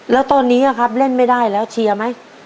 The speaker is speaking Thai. แล้วตอนนี้ครับเล่นไม่ได้แล้วเชียร์ไหม